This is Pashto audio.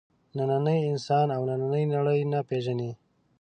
نننی انسان او نننۍ نړۍ نه پېژني.